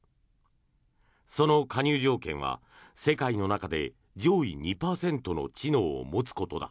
その加入条件は世界の中で上位２％の知能を持つことだ。